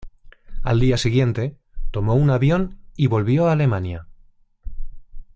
Al día siguiente tomó un avión y volvió a Alemania.